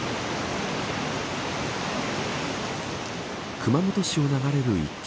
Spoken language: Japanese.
熊本市を流れる１級